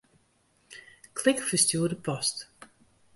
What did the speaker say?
Klik Ferstjoerde post.